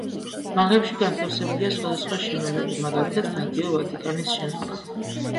ბაღებში განთავსებულია სხვადასხვა შენობები, მაგალითად რადიო ვატიკანის შენობა.